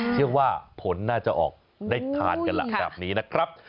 ว่าผลน่าจะออกได้ทานกันล่ะแบบนี้นะครับ